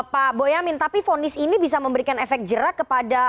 pak boyamin tapi fonis ini bisa memberikan efek jerak kepada